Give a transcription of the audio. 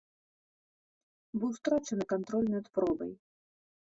Быў страчаны кантроль над пробай.